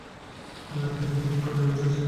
তিনি হযরত আলীর অনুসারী ছিলেন।